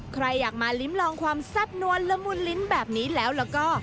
ใครอยากมาลิ้มลองความแซ่บนวลละมุนลิ้นแบบนี้แล้วแล้วก็